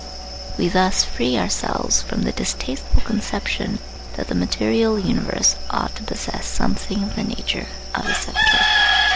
We thus free ourselves from the distasteful conception that the material universe ought to possess something of the nature of a centre.